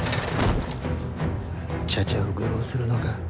茶々を愚弄するのか。